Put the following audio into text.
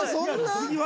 次は？